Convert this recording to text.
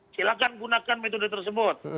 silahkan menggunakan metode tersebut